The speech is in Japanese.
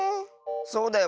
そうだよ